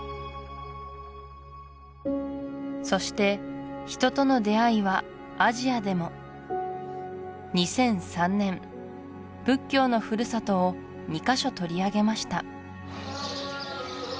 そして人との出会いはアジアでも２００３年仏教のふるさとを２か所取り上げました